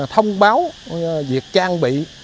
thông báo việc trang bị